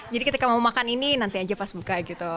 jadi ketika mau makan ini nanti aja pas buka gitu